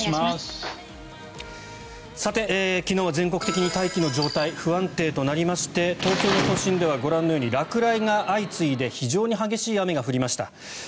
さて、昨日は全国的に大気の状態が不安定となりまして東京の都心ではご覧のように落雷が相次いで非常に激しい雨が降りました。